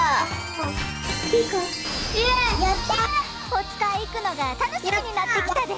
おつかいいくのがたのしみになってきたで。